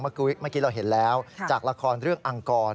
เมื่อกี้เราเห็นแล้วจากละครเรื่องอังกร